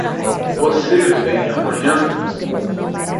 Você vem amanhã?